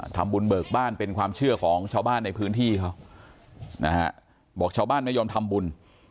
เบิกบ้านเป็นความเชื่อของชาวบ้านในพื้นที่เขานะฮะบอกชาวบ้านไม่ยอมทำบุญ